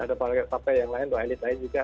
ada partai yang lain dua elit lain juga